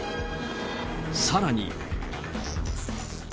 さらに。